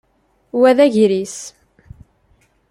Wa d agris.